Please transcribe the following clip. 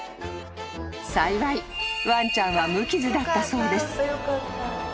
［幸いワンちゃんは無傷だったそうです］